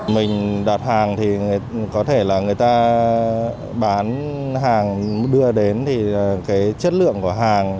mình đặt hàng thì có thể là người ta bán hàng đưa đến thì cái chất lượng của hàng